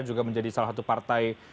juga menjadi salah satu partai